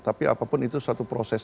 tapi apapun itu suatu proses